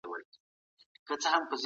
لاسي کار د انسان شخصیت جوړوي.